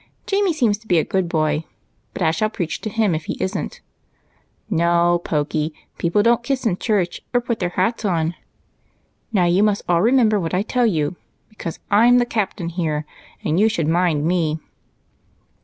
Jamie seems to be a good boy, but I shall preach to him if he isn't. No, Pokey, people don't kiss in church or put their hats on. Now you must all remember what I tell you, because I 'm the cap tain, and you should mind me."